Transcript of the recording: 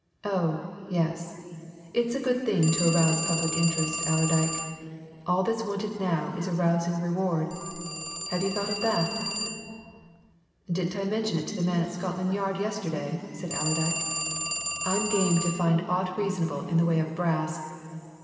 Oh, yes, it's a good thing to arouse public interest, Allerdyke. All that's wanted now is a rousing reward. Have you thought of that?" "Didn't I mention it to the man at Scotland Yard yesterday?" said Allerdyke. "I'm game to find aught reasonable in the way of brass.